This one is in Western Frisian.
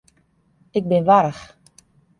Ik bin warch.